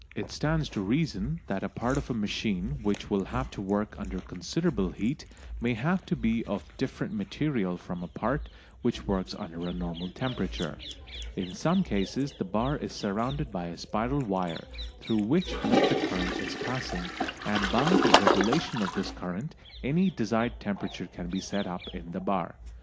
It stands to reason that a part of a machine which will have to work under considerable heat may have to be of different material from a part which works under a normal temperature. In some cases the bar is surrounded by a spiral wire through which electric current is passing, and by the regulation of this current any desired temperature can be set up in the bar.